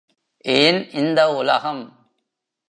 ஏன் இந்த உலகம்?